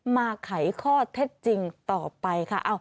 ไขข้อเท็จจริงต่อไปค่ะ